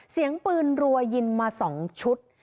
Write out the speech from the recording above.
เสียงปืนรัวยิงมา๒ชุด